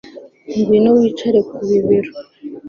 ngwino wicare ku bibero